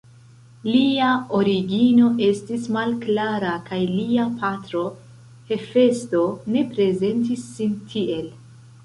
Lia origino estis malklara kaj lia patro Hefesto ne prezentis sin tiel.